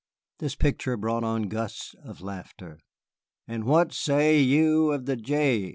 This picture brought on gusts of laughter. "And what say you of the Jay?"